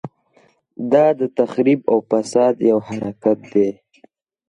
دا د تخریب او فساد یو حرکت دی.